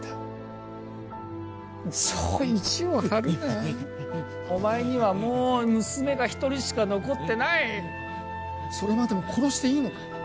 そう意地を張るなお前にはもう娘が一人しか残ってないそれまでも殺していいのか？